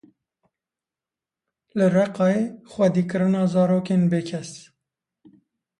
Li Reqayê xwedîkirina zarokên bêkes.